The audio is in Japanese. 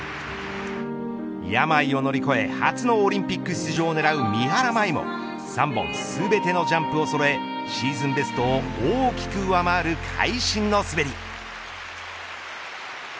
病を乗り越え初のオリンピック出場を狙う三原舞依も３本全てのジャンプをそろえシーズンベストを大きく上回る会心の滑り。